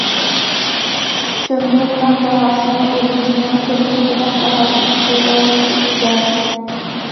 كۆممىقوناق باھاسىمۇ ئېلىمىزنىڭ كۆممىقوناق باھاسىدىن خېلىلا يۇقىرى ئىكەن.